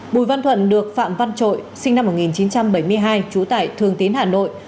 bùi văn thuận được phạm văn trội sinh năm một nghìn chín trăm bảy mươi hai trú tại thường tín hà nội